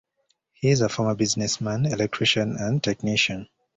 He is a former businessman, electrician and technician.